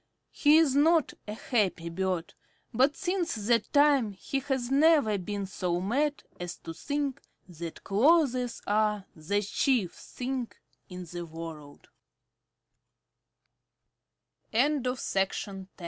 He is not a happy bird, but since that time he has never been so mad as to think that clothes are the chief thing in the worl